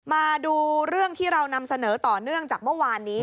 มาดูเรื่องที่เรานำเสนอต่อเนื่องจากเมื่อวานนี้